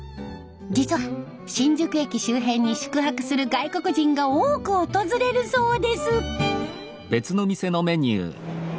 実は新宿駅周辺に宿泊する外国人が多く訪れるそうです。